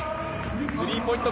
スリーポイント